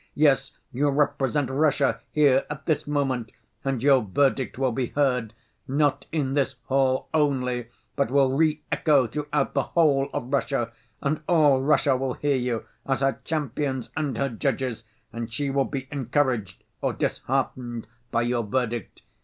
Yes, you represent Russia here at this moment, and your verdict will be heard not in this hall only but will reëcho throughout the whole of Russia, and all Russia will hear you, as her champions and her judges, and she will be encouraged or disheartened by your verdict.